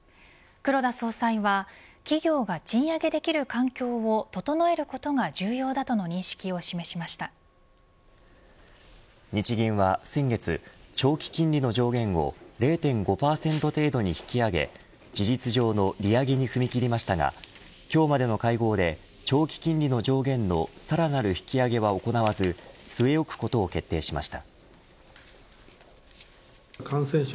黒田総裁は企業が賃上げできる環境を整えることが重要だとの日銀は先月、長期金利の上限を０．５％程度に引き上げ事実上の利上げに踏み切りましたが今日までの会合で長期金利の上限のさらなる引き上げを行わず据え置くことを決定しました。